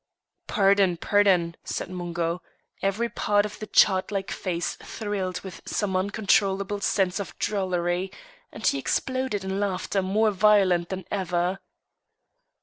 "Paurdon! paurdon!" said Mungo, every part of the chart like face thrilled with some uncontrollable sense of drollery, and he exploded in laughter more violent than ever.